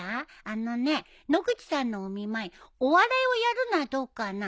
あのね野口さんのお見舞いお笑いをやるのはどうかな？